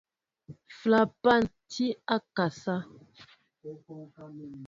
Flapan tí a akasá.